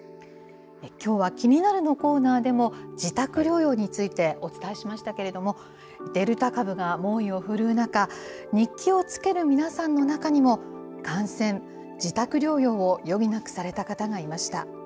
きょうはキニナル！のコーナーでも、自宅療養についてお伝えしましたけれども、デルタ株が猛威を振るう中、日記をつける皆さんの中にも、感染、自宅療養を余儀なくされた方がいました。